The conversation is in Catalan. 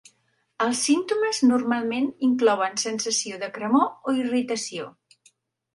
Els símptomes normalment inclouen sensació de cremor o irritació.